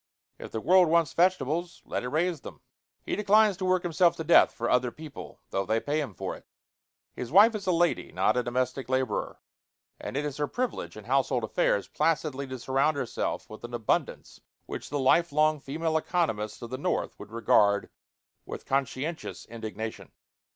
If the world wants vegetables, let it raise them. He declines to work himself to death for other people, though they pay him for it. His wife is a lady, not a domestic laborer; and it is her privilege, in household affairs, placidly to surround herself with an abundance which the lifelong female economists of the North would regard with conscientious indignation.